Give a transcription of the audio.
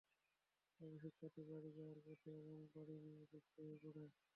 পরে শিক্ষার্থীরা বাড়ি যাওয়ার পথে এবং বাড়ি গিয়ে অসুস্থ হয়ে পড়ে।